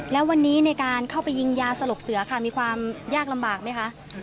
แล้ววันนี้ในการเข้าไปยิงยาสลบเสือค่ะมีความยากลำบากไหมคะ